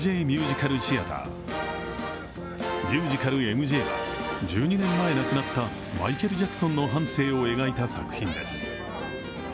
ミュージカル「ＭＪ」は１２年前亡くなったマイケル・ジャクソンの半生を描いた作品です。